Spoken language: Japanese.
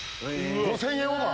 ５０００円オーバー。